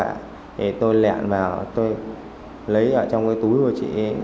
thì tôi lẹn vào tôi lấy ở trong cái túi của chị